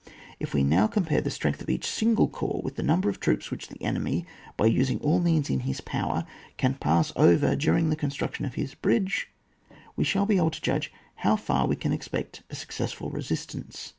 If we now compare the strong^ of each single corps with the number of troops which the enemy, by using all the means in his power, can pass over during the construction of his bridge, we shall be able to judge how far we can expect a successful resistance.